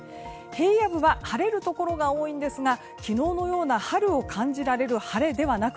平野部は晴れるところが多いんですが昨日のような春を感じられる晴れではなく